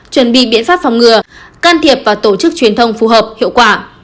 chuẩn bị biện pháp phòng ngừa can thiệp và tổ chức truyền thông phù hợp hiệu quả